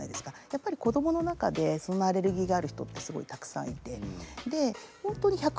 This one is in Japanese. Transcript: やっぱり子供の中でそのアレルギーがある人ってすごいたくさんいて。